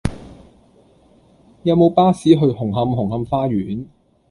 有無巴士去紅磡紅磡花園